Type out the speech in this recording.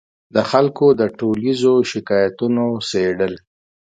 د خلکو د ټولیزو شکایتونو څېړل